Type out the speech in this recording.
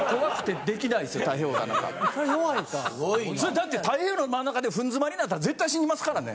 だって太平洋の真ん中で糞詰まりになったら絶対死にますからね。